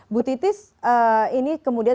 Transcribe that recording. bu titis ini kemudian